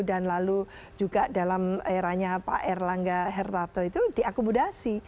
dan lalu juga dalam eranya pak erlangga hertarto itu diakomodasi